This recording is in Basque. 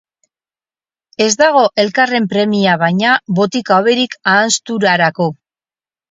Ez dago elkarren premia baina botika hoberik ahanzturarako.